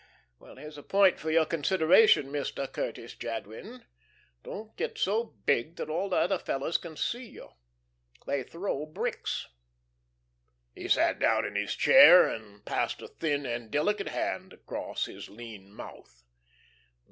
Well, here's a point for your consideration Mr. Curtis Jadwin, 'Don't get so big that all the other fellows can see you they throw bricks.'" He sat down in his chair, and passed a thin and delicate hand across his lean mouth.